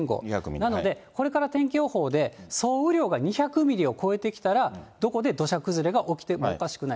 なので、これから天気予報で総雨量が２００ミリを超えてきたら、どこで土砂崩れが起きてもおかしくない。